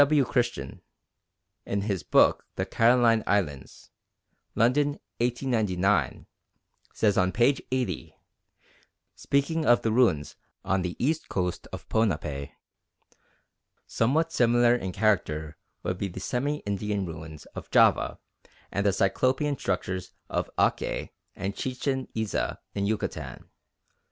F. W. Christian, in his book The Caroline Islands (London, 1899), says on p. 80, speaking of the ruins on the east coast of Ponape, "Somewhat similar in character would be the semi Indian ruins of Java and the Cyclopean structures of Aké and Chichen Itza in Yucatan.